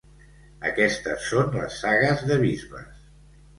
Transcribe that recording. Aquestes són les sagues de bisbes.